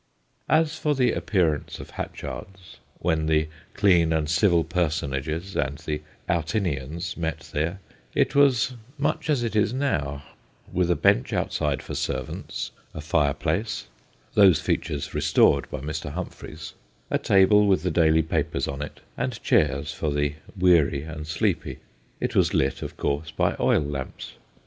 As for the appearance of Hatchard's when the clean and civil personages and the Outinians met there, it was much as it is now, with a bench outside for servants, a fireplace those features restored by Mr. Humphreys a table with the daily papers on it, and chairs for the weary and sleepy. It was lit, of course, by oil lamps.